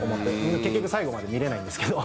結局最後まで見られないんですけど。